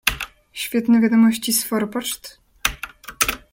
"Świetne wiadomości z forpoczt."